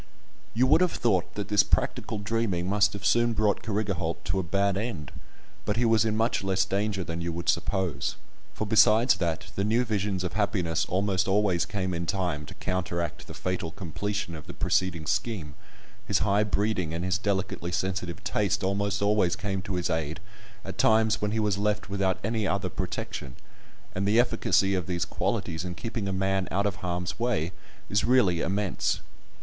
You would have thought that this practical dreaming must have soon brought Carrigaholt to a bad end, but he was in much less danger than you would suppose; for besides that the new visions of happiness almost always came in time to counteract the fatal completion of the preceding scheme, his high breeding and his delicately sensitive taste almost always came to his aid at times when he was left without any other protection; and the efficacy of these qualities in keeping a man out of harm's way is really immense.